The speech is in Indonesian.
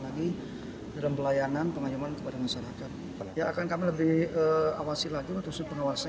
lagi dalam pelayanan pengayuman kepada masyarakat ya akan kami lebih awasi lagi untuk pengawasan